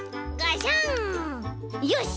よし。